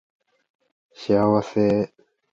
幸せ